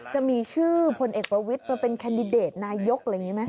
จะมีชื่อพลเอกประวิทย์มาเป็นแคนดิเดตนายกอะไรอย่างนี้ไหม